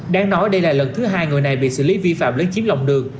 đáng nói đây là lần thứ hai người này bị xử lý vi phạm lấn chiếm lòng đường